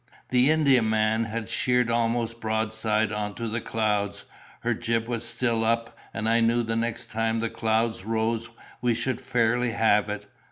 "The Indiaman had sheered almost broadside on to the clouds, her jib was still up, and I knew the next time the clouds rose we should fairly have it.